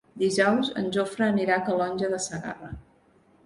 Dijous en Jofre anirà a Calonge de Segarra.